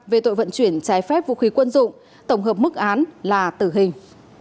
về tội vận chuyển trái phép vũ khí quân dụng tổng hợp mức án là tử hình